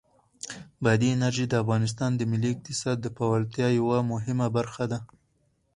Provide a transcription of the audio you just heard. بادي انرژي د افغانستان د ملي اقتصاد د پیاوړتیا یوه مهمه برخه ده.